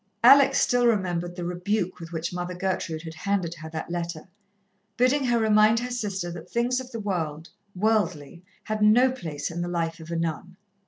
Alex still remembered the rebuke with which Mother Gertrude had handed her that letter, bidding her remind her sister that things of the world, worldly, had no place in the life of a nun.